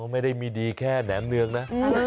ไม่ได้มีดีแค่แหนมเนืองนะ